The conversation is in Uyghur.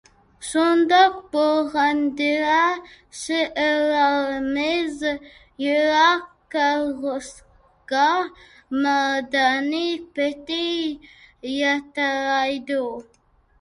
شۇنداق بولغاندىلا شېئىرلىرىمىز يىراق كەلگۈسىگە مەردانە پېتى يېتەلەيدۇ.